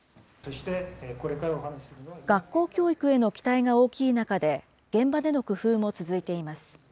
学校教育への期待が大きい中で、現場での工夫も続いています。